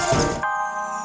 setelah alcaman angg crit drama